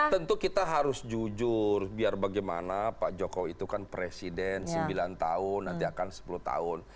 tentu kita harus jujur biar bagaimana pak jokowi itu kan presiden sembilan tahun nanti akan sepuluh tahun